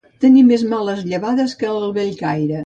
Tenir més males llevades que el Bellcaire.